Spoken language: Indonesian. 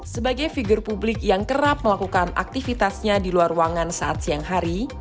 sebagai figur publik yang kerap melakukan aktivitasnya di luar ruangan saat siang hari